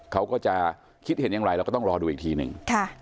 เขาก็จะคิดเห็นอย่างไรเราก็ต้องรอดูอีกทีหนึ่ง